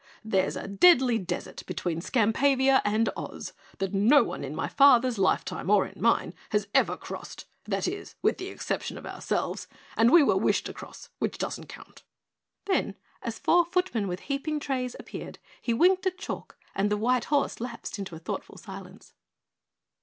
"There's a deadly desert between Skampavia and Oz that no one in my father's lifetime or in mine has ever crossed, that is with the exception of ourselves, and we were wished across, which doesn't count." Then as four footmen with heaping trays appeared, he winked at Chalk and the white horse lapsed into a thoughtful silence.